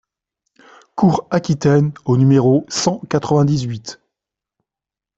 Cours Aquitaine au numéro cent quatre-vingt-dix-huit